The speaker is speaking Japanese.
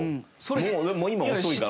もうでも今遅いから。